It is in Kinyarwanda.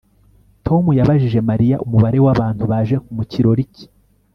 Tom yabajije Mariya umubare wabantu baje mu kirori cye